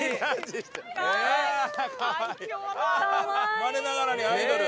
生まれながらにアイドル。